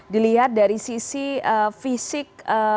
dilihat dari sisi fisik